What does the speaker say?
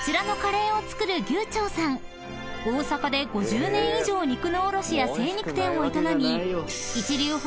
［大阪で５０年以上肉の卸や精肉店を営み］